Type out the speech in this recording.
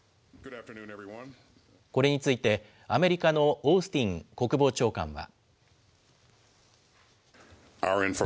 これについて、アメリカのオースティン国防長官は。